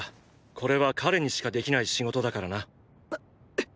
これは彼にしかできない仕事だからな。！